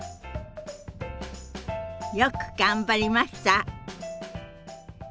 よく頑張りました。